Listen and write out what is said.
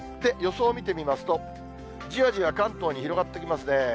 予想見てみますと、じわじわ関東に広がってきますね。